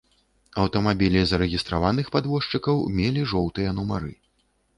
Аўтамабілі зарэгістраваных падвозчыкаў мелі жоўтыя нумары.